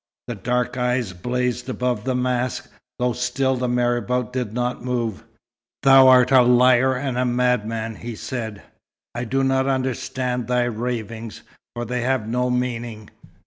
The dark eyes blazed above the mask, though still the marabout did not move. "Thou art a liar and a madman," he said. "I do not understand thy ravings, for they have no meaning."